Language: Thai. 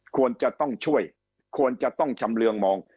ควรจะต้องช่วยควรจะต้องชำเรืองมอง